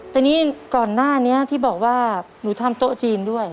แต่นี่ก่อนหน้านี้ที่บอกว่าหนูทำโต๊ะจีนด้วย